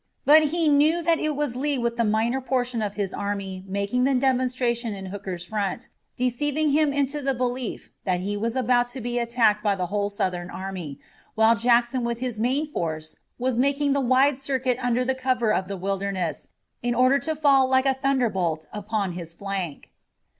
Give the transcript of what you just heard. But he knew that it was Lee with the minor portion of his army making the demonstration in Hooker's front, deceiving him into the belief that he was about to be attacked by the whole Southern army, while Jackson with his main force was making the wide circuit under cover of the Wilderness in order to fall like a thunderbolt upon his flank.